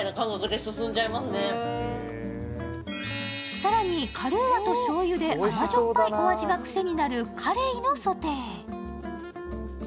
更に、カルーアとしょうゆで甘じょっぱいお味が癖になるカレイのソテー。